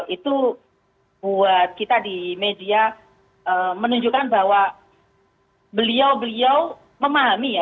itu buat kita di media menunjukkan bahwa beliau beliau memahami ya